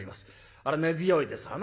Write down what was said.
あれ根強いですわな